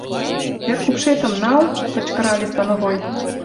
— Теркупшетым нал! — кычкырале становой.